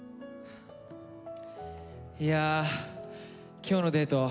いや今日のデート